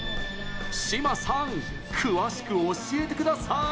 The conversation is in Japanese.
志磨さん、詳しく教えてください。